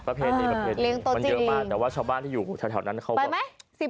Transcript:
ประเภทนี้ประเภทนี้มันเยอะมากแต่ว่าชาวบ้านที่อยู่แถวนั้นเข้าไป